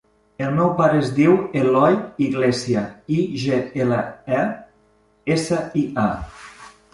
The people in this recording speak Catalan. El meu pare es diu Eloi Iglesia: i, ge, ela, e, essa, i, a.